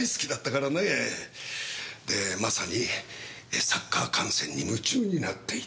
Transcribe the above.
でまさにサッカー観戦に夢中になっていた。